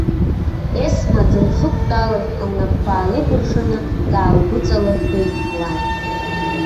Есма дынхықәтәалан, лнапқәа аалыкәыршаны, даалгәыҵалыҳәҳәеит лан.